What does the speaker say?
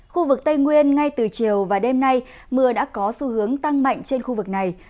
khu vực tây nguyên ngay từ chiều và đêm nay mưa đã có xu hướng tăng mạnh trên khu vực này